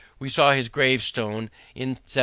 We saw his gravestone in 1758.